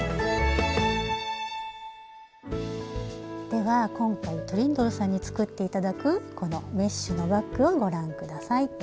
では今回トリンドルさんに作って頂くこのメッシュのバッグをご覧ください。